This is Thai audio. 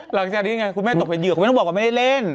หลังจากนี้ยังไงคุณแม่ตกเป็นเหยื่อคุณแม่ต้องบอกว่าไม่ได้เล่น